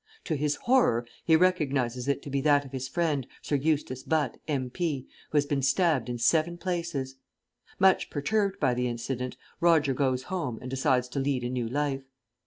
To his horror he recognises it to be that of his friend, Sir Eustace Butt, M.P., who has been stabbed in seven places. Much perturbed by the incident, Roger goes home and decides to lead a new life.